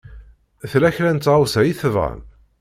Tella kra n tɣawsa i tebɣam?